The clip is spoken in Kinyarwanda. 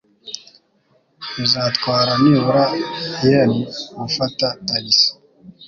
Bizatwara nibura yen gufata tagisi.